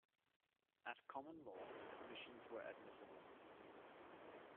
At common law, admissions were admissible.